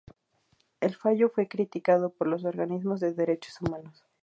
El fallo fue criticado por los organismos de derechos humanos.